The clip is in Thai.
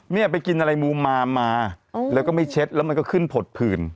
เนี่ยไปกินอะไรมูมามาแล้วก็ไม่เช็ดแล้วมันก็ขึ้นผดผื่น